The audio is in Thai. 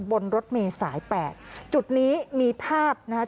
บนรถเมษายน๘จุดนี้มีภาพนะครับ